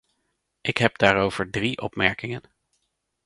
Ik heb daarover drie opmerkingen.